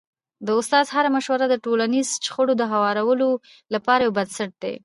د استاد هره مشوره د ټولنیزو شخړو د هوارولو لپاره یو بنسټ دی.